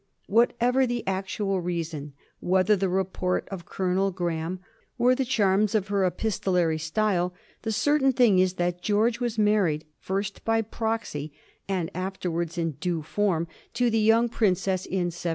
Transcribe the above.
Whatever the actual reason, whether the report of Colonel Graeme or the charms of her epistolary style, the certain thing is that George was married, first by proxy and afterwards in due form, to the young Princess in 1761.